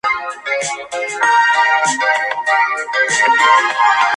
Cambia exteriormente con una imagen más moderna.